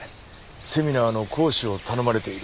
セミナーの講師を頼まれている。